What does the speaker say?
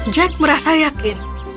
jack merasa yakin